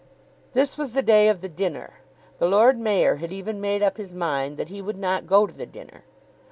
This was the day of the dinner. The Lord Mayor had even made up his mind that he would not go to the dinner.